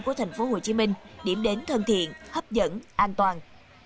của thành phố hồ chí minh điểm đến thân thiện hấp dẫn an toàn